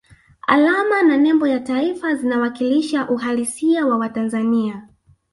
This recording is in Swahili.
alama za nembo ya taifa zinawakilisha uhalisia wa watanzania